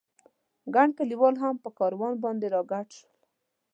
ګڼ کلیوال هم په کاروان باندې را ګډ شول.